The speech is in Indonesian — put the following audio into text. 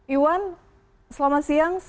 iwan selamat siang